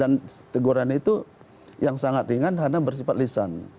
dan teguran itu yang sangat ringan karena bersifat lisan